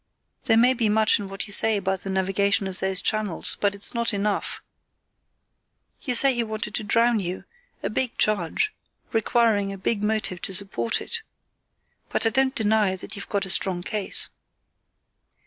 There may be much in what you say about the navigation of those channels, but it's not enough. You say he wanted to drown you—a big charge, requiring a big motive to support it. But I don't deny that you've got a strong case."